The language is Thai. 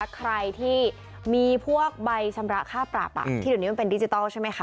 ใครที่มีพวกใบชำระค่าปรับที่เดี๋ยวนี้มันเป็นดิจิทัลใช่ไหมคะ